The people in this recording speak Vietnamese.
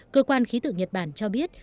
cơ quan khí tự nhật bản cho biết